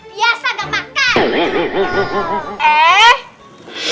biasa gak makan